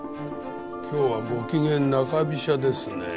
今日はゴキゲン中飛車ですね。